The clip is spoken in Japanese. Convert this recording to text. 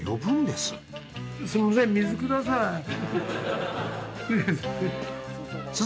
すみません。